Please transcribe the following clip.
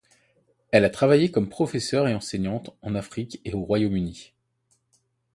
Elle a travaillé comme professeur et enseignante en Afrique et au Royaume-Uni.